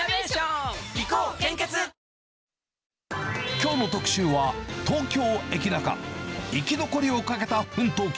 きょうの特集は、東京エキナカ、生き残りをかけた奮闘記。